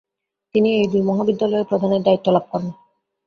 তিনি এই দুই মহাবিদ্যালয়ের প্রধানের দায়িত্ব লাভ করেন।